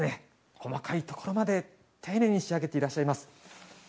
細かいところまで丁寧に仕上げていらっしゃいます。